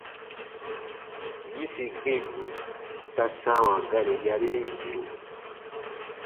-yĩsi gbinnu ta sãawa gari yarii yiru.